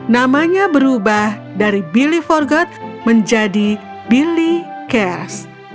namanya berubah dari billy forgot menjadi billy care